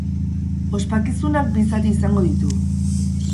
Ospakizunak bi zati izango ditu.